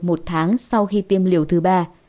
một tháng sau khi tiêm liều thứ ba